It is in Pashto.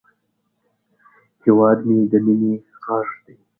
هیواد مې د مینې غږ دی